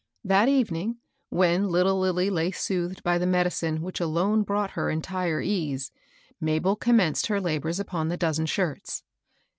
That evening, when little Lilly lay soothed by the medicine which alone brought her entire ease, Mabel commenced her labors upon the dozen shirts.